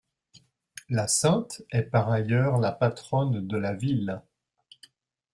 La sainte est par ailleurs la patronne de la ville.